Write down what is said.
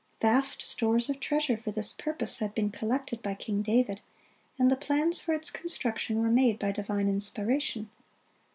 Vast stores of treasure for this purpose had been collected by King David, and the plans for its construction were made by divine inspiration.